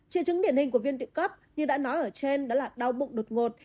triệu chứng điển hình của viên địa cấp như đã nói ở trên đó là đau bụng đột ngột